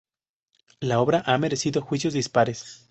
La obra ha merecido juicios dispares.